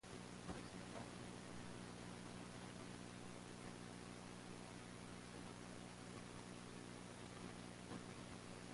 Indians may identify with their nation on account of civic, cultural, or third-world nationalism.